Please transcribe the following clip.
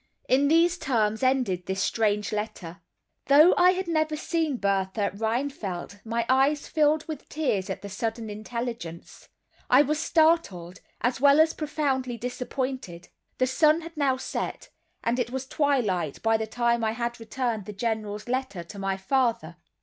In these terms ended this strange letter. Though I had never seen Bertha Rheinfeldt my eyes filled with tears at the sudden intelligence; I was startled, as well as profoundly disappointed. The sun had now set, and it was twilight by the time I had returned the General's letter to my father.